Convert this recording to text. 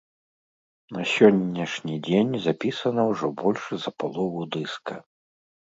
На сённяшні дзень запісана ўжо больш за палову дыска.